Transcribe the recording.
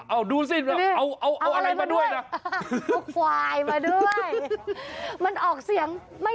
เอาดูสิเอาอะไรมาด้วยนะ